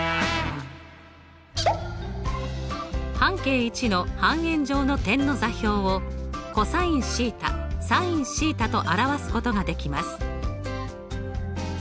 半径１の半円上の点の座標をｃｏｓθｓｉｎθと表すことができます。